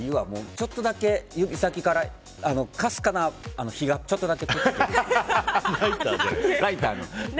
ちょっとだけ指先からかすかな火がちょっとだけ出るみたいな。